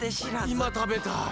今食べたい！